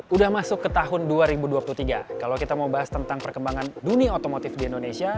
udah masuk ke tahun dua ribu dua puluh tiga kalau kita mau bahas tentang perkembangan dunia otomotif di indonesia